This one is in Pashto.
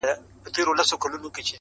دا هډوکی د لېوه ستوني کي بند سو٫